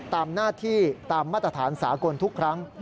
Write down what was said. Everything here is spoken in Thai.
ตามหน้าที่ตามมาตรฐานสากลทุกครั้ง